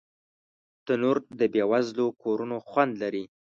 تنور د بې وزلو کورونو خوند لري